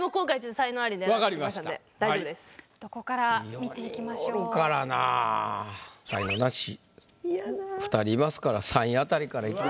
才能ナシ２人いますから３位あたりからいきますか。